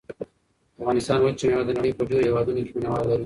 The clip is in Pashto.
د افغانستان وچه مېوه د نړۍ په ډېرو هېوادونو کې مینه وال لري.